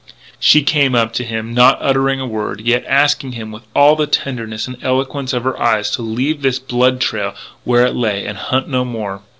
She came up to him, not uttering a word, yet asking him with all the tenderness and eloquence of her eyes to leave this blood trail where it lay and hunt no more.